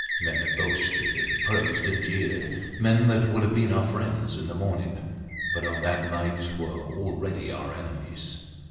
Men that boasted, and praised, and jeered men that would have been our friends in the morning, but on that night were already our enemies.